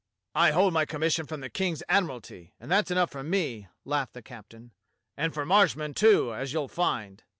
"I hold my commission from the King's Admiralty, and that's enough for me," laughed the captain, "and for Marshmen, too, as you'll find."